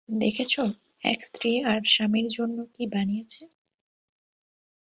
দেখেছ, এক স্ত্রী আর স্বামীর জন্য কি বানিয়েছে।